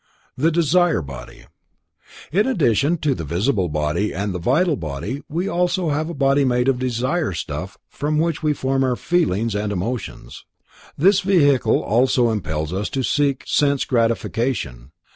The Desire Body. In addition to the visible body and the vital body we also have a body made of desire stuff from which we form our feelings and emotions. This vehicle also impels us to seek sense gratification.